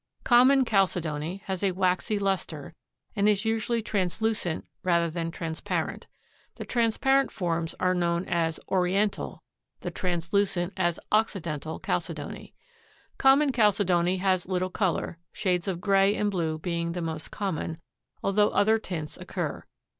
Common chalcedony has a waxy luster and is usually translucent rather than transparent. The transparent forms are known as "oriental," the translucent as "occidental" chalcedony. Common chalcedony has little color, shades of gray and blue being the most common, although other tints occur.